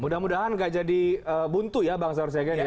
mudah mudahan tidak jadi buntu ya bang saor segen